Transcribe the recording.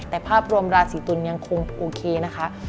แต่ภาพรวมราศีตุลยังคงโอเคนะคะ